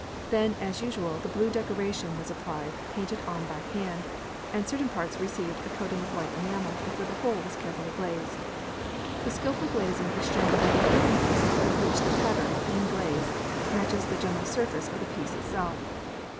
Then as usual the blue decoration was applied painted on by hand, and certain parts received a coating of white enamel before the whole was carefully glazed. The skilful glazing is shown by the evenness with which the pattern, in glaze, matches the general surface of the piece itself.